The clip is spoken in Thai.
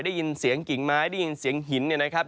ได้ยินเสียงกิ่งไม้ได้ยินเสียงหินเนี่ยนะครับ